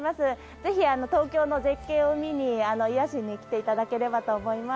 ぜひ東京の絶景を見に癒やしに来ていただければと思います。